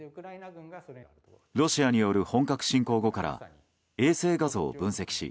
ロシアによる本格侵攻後から衛星画像を分析し